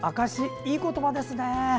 いい言葉ですね。